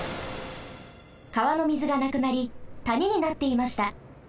かわのみずがなくなりたにになっていました。